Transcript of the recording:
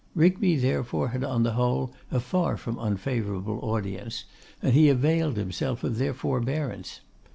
Rigby therefore had, on the whole, a far from unfavourable audience, and he availed himself of their forbearance.